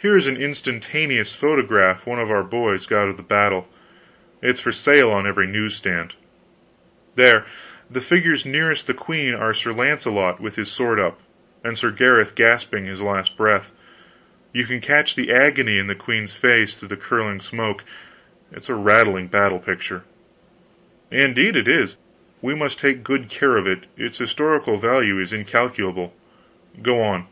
Here is an instantaneous photograph one of our boys got of the battle; it's for sale on every news stand. There the figures nearest the queen are Sir Launcelot with his sword up, and Sir Gareth gasping his latest breath. You can catch the agony in the queen's face through the curling smoke. It's a rattling battle picture." "Indeed, it is. We must take good care of it; its historical value is incalculable. Go on."